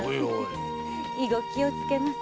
以後気をつけます。